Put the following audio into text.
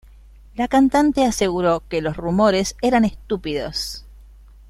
La cantante aseguró que los rumores eran "estúpidos".